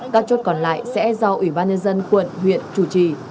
các chốt còn lại sẽ do ủy ban nhân dân quận huyện chủ trì